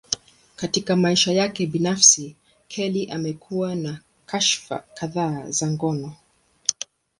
Katika maisha yake binafsi, Kelly amekuwa na kashfa kadhaa za ngono.